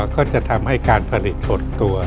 ก็จะทำให้การผลิตหดตัว